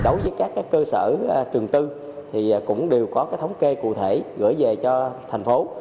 đối với các cơ sở trường tư thì cũng đều có thống kê cụ thể gửi về cho thành phố